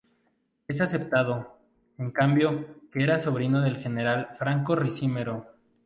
Es aceptado, en cambio, que era sobrino del general franco Ricimero.